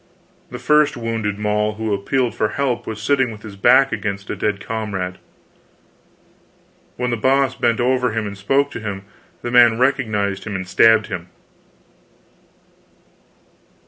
The first wounded mall who appealed for help was sitting with his back against a dead comrade. When The Boss bent over him and spoke to him, the man recognized him and stabbed him.